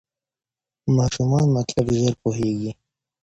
ماشومان مطلب ژر پوهېږي.